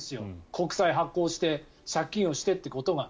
国債を発行して借金をしてってことは。